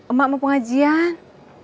emak mau pengajian